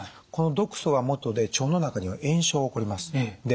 この毒素がもとで腸の中には炎症が起こります。